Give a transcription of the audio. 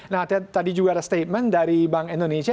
nah tadi juga ada statement dari bank indonesia